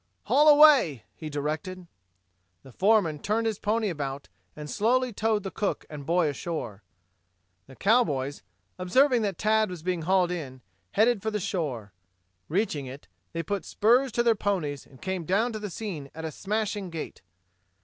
"Haul away," he directed. The foreman turned his pony about and slowly towed cook and boy ashore. The cowboys, observing that Tad was being hauled in, headed for the shore. Reaching it, they put spurs to their ponies and came down to the scene at a smashing gait.